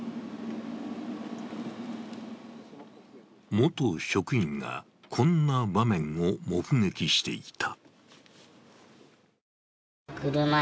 元職員が、こんな場面を目撃していた。